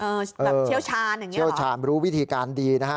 แบบเชี่ยวชาญอย่างเงี้เชี่ยวชาญรู้วิธีการดีนะฮะ